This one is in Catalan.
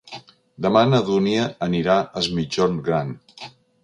Demà na Dúnia anirà a Es Migjorn Gran.